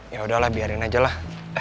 yaudah lah biarin aja lah